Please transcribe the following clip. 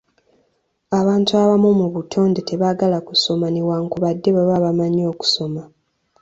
Abantu abamu mu butonde tebaagala kusoma newankubadde baba bamanyi okusoma.